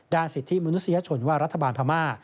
ด้านสิทธิบุญนุษยชนว่ารัฐบาลพม่า